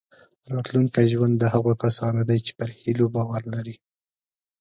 راتلونکی ژوند د هغو کسانو دی چې پر هیلو باور لري.